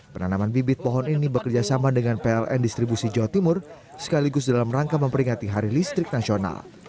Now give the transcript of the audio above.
penanaman bibit pohon ini bekerjasama dengan pln distribusi jawa timur sekaligus dalam rangka memperingati hari listrik nasional